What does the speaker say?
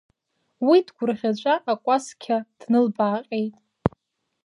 Уи дгәырӷьаҵәа акәасқьа днылбааҟьеит.